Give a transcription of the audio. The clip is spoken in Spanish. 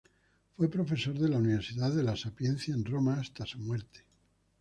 Fue profesor de la Universidad de La Sapienza en Roma hasta su muerte.